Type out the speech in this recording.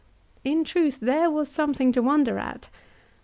In truth there was something to wonder at.